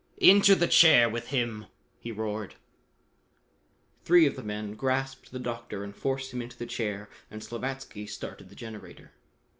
"Into the chair with him!" he roared. Three of the men grasped the doctor and forced him into the chair and Slavatsky started the generator.